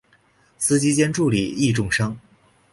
司机兼助理亦重伤。